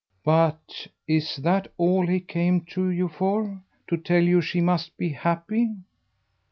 "But is that all he came to you for to tell you she must be happy?"